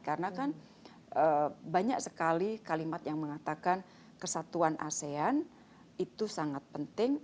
karena kan banyak sekali kalimat yang mengatakan kesatuan asean itu sangat penting